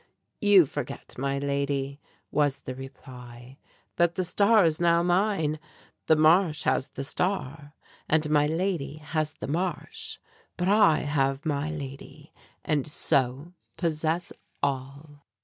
"You forget, my lady," was the reply, "that the Star is now mine. The Marsh has the Star, and my lady has the Marsh; but I have my lady, and so possess all!"